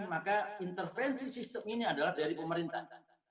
maka intervensi sistem ini adalah dari pemerintahan